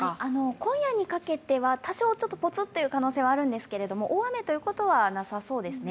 今夜にかけては多少ポツッという可能性はあるんですけれども、大雨ということはなさそうですね。